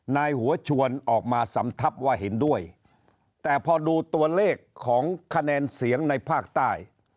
นายหัวชวนออกมาสำทับว่าเห็นด้วยแต่พอดูตัวเลขของคะแนนเสียงในภาคใต้